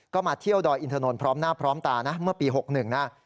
ก็มาเที่ยวดอยอินถนนพร้อมหน้าพร้อมตานะเมื่อปี๖๑นะ